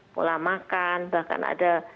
bulan makan bahkan ada